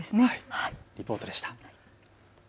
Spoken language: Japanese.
リポートでした。